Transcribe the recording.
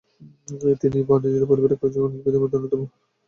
তিনি বার্নুয়ি পরিবারের কয়েকজন গণিতবিদদের মধ্যে অন্যতম।